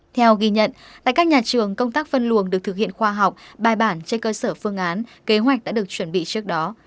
theo ghi nhận tại các nhà trường công tác phân luồng được thực hiện khoa học bài bản trên cơ sở phương án kế hoạch đã được chuẩn bị trước đó